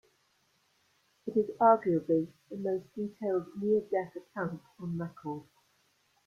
It is arguably the most detailed near-death account on record.